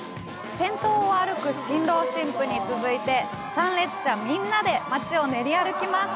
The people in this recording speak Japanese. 先頭を歩く新郎新婦に続いて、参列者みんなで街を練り歩きます。